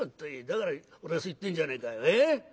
だから俺はそう言ってんじゃねえかよええ？」。